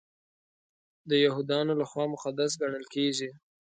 د یهودانو لخوا مقدس ګڼل کیږي.